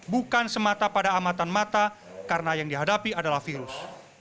bukan semata pada amatan mata karena yang dihadapi adalah virus